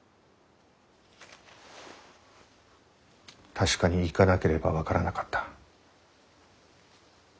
確かに行かなければ分からなかった。